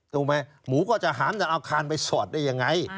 รู้ไหมหมูก็จะหามจะเอาคานไปสวดได้อย่างไร